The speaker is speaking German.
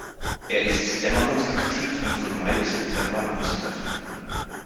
Er ist dämmerungsaktiv und von Mai bis September anzutreffen.